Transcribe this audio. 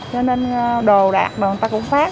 cho nên đồ đạc người ta cũng phát